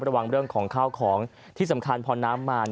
ระวังเรื่องของข้าวของที่สำคัญพอน้ำมา